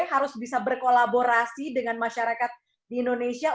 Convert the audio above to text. harus bisa berkolaborasi dengan masyarakat di indonesia